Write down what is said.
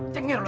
cengir lu hah